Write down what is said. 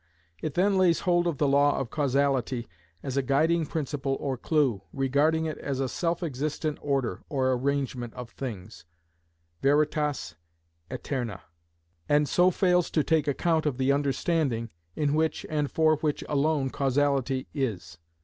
It then lays hold of the law of causality as a guiding principle or clue, regarding it as a self existent order (or arrangement) of things, veritas aeterna, and so fails to take account of the understanding, in which and for which alone causality is.